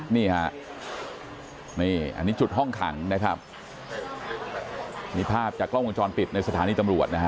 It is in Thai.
นี่ฮะนี่อันนี้จุดห้องขังนะครับมีภาพจากกล้องวงจรปิดในสถานีตำรวจนะฮะ